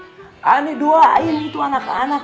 kami doain itu anak anak